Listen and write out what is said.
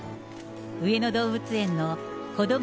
上野動物園の子ども